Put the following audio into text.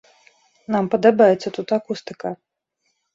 Нам падабаецца тут акустыка.